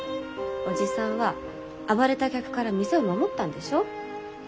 おじさんは暴れた客から店を守ったんでしょ？